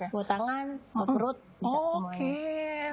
yes buat tangan buat perut bisa semuanya